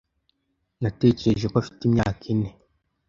Natekereje ko afite imyaka ine.